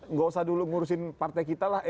nggak usah dulu ngurusin partai kita lah